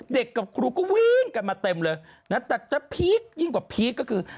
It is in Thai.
กับครูก็วิ่งกันมาเต็มเลยนะแต่จะพีคยิ่งกว่าพีคก็คือ